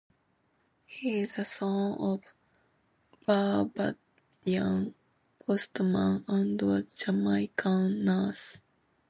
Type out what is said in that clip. He is the son of a Barbadian postman and a Jamaican nurse.